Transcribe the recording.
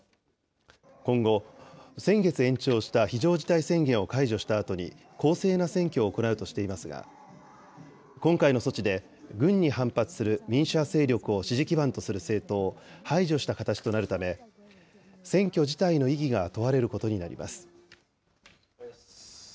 今後、先月延長した非常事態宣言を解除したあとに公正な選挙を行うとしていますが、今回の措置で軍に反発する民主派勢力を支持基盤とする政党を排除した形となるため、選挙自体の意義が問われることになります。